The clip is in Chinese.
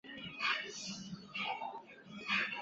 清廷于光绪七年开始派遣出使意大利王国钦差大臣。